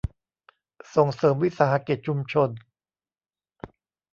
ส่งเสริมวิสาหกิจชุมชน